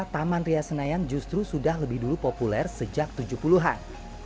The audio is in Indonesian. taman ria senayan justru sudah lebih dulu populer sejak tujuh puluh an